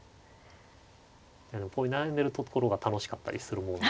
こういう悩んでるところが楽しかったりするもんで。